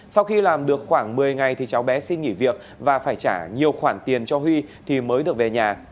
sau khi làm được khoảng một mươi ngày thì cháu bé xin nghỉ việc và phải trả nhiều khoản tiền cho huy thì mới được về nhà